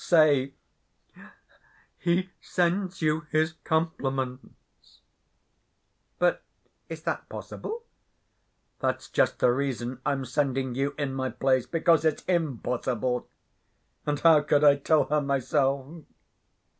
Say, 'He sends you his compliments.' " "But is that possible?" "That's just the reason I'm sending you, in my place, because it's impossible. And, how could I tell her myself?"